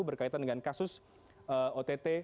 berkaitan dengan kasus ott